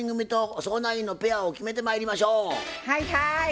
はいはい！